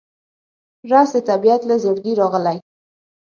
رس د طبیعت له زړګي راغلی